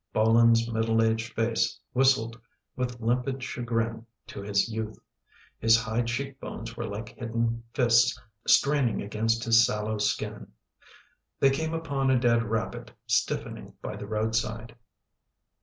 Bolin's middle aged face whistled, with limpid chagrin, to his youth. His high cheek bones were like hidden fists straining against his sallow skin. They came upon a dead rabbit stiffening by the roadside.